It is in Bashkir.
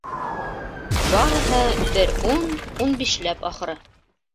Барыһы бер ун-ун бишләп, ахыры.